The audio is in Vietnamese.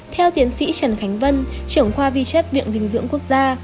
theo tiến sĩ trần khánh vân trưởng khoa vi chất viện dinh dưỡng quốc gia